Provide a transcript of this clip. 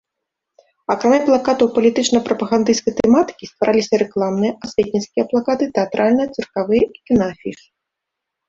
Акрамя плакатаў палітычна-прапагандысцкай тэматыкі, ствараліся рэкламныя, асветніцкія плакаты, тэатральныя, цыркавыя і кінаафішы.